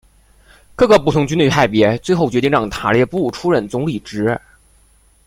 各个不同军队派别最后决定让塔列布出任总理职。